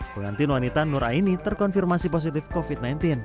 pengantin wanita nur aini terkonfirmasi positif covid sembilan belas